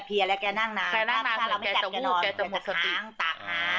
ไม่วันธรรมดาถ้าพรุ่งนี้พี่มาแกก็ลุกนั่งได้